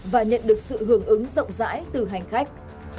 và nhận được sự hưởng ứng rộng rãi từ hành khách